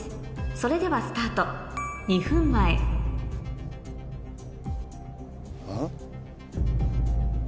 それではスタート２分前ん？